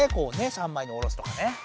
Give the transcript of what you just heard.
３まいにおろすとかね。